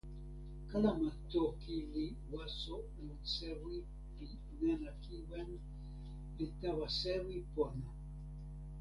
kalama toki li waso lon sewi pi nena kiwen li tawa sewi pona.